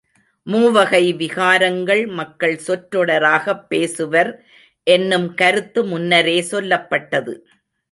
மூவகை விகாரங்கள் மக்கள் சொற்றொடராகப் பேசுவர் என்னும் கருத்து முன்னரே சொல்லப்பட்டது.